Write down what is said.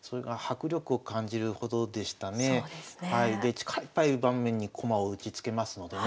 力いっぱい盤面に駒を打ちつけますのでね